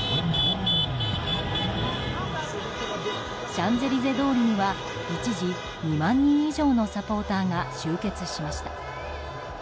シャンゼリゼ通りには一時２万人以上のサポーターが集結しました。